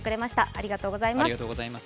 ありがとうございます。